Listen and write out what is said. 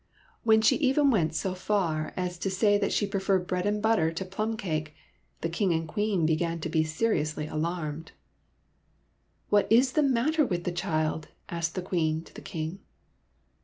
When she even went so far as 4 84 SOMEBODY ELSE'S PRINCE to say that she preferred bread and butter to plum cake, the King and Queen began to be seriously alarmed. '' What is the matter with the child ?" asked the Queen of the King.